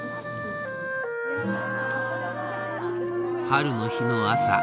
春の日の朝。